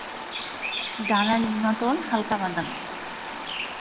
ডানার নিম্নতল হালকা বাদামি।